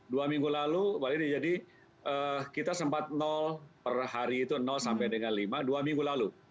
dua minggu lalu bali jadi kita sempat nol per hari itu sampai dengan lima dua minggu lalu